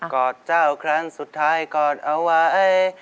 อดเจ้าครั้งสุดท้ายกอดเอาไว้